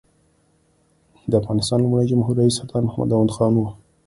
د افغانستان لومړی جمهور رییس سردار محمد داود خان و.